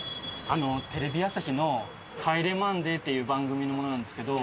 テレビ朝日の『帰れマンデー』っていう番組の者なんですけど。